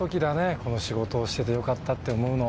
この仕事をしててよかったって思うのは。